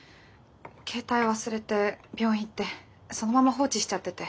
携帯忘れて病院行ってそのまま放置しちゃってて。